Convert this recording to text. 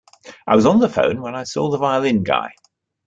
I was on the phone when I saw the violin guy.